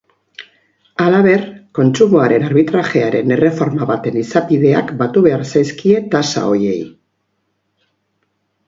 Halaber, kontsumoaren arbitrajearen erreforma baten izapideak batu behar zaizkie tasa horiei.